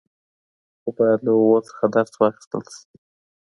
خو باید له هغو څخه درس واخیستل سي.